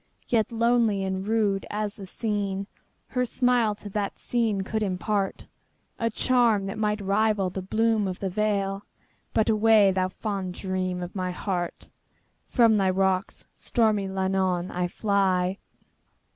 Yet lonely and rude as the scene, Her smile to that scene could impartA charm that might rival the bloom of the vale,—But away, thou fond dream of my heart! From thy rocks, stormy Llannon, I fly.